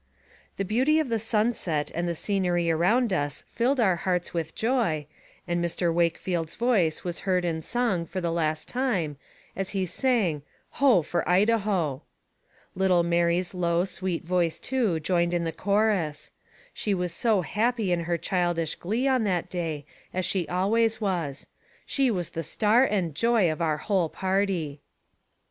The beauty of the sunset and the scenery around us filled our hearts with joy, and Mr. Wakefield's voice was heard in song for the last time, as he sang, " Ho! tor Idaho." Little Mary's low, sweet voice, too, joined in the chorus. She was so happy in her childish glee on that day, as she always was. She was the star and joy of our whole party.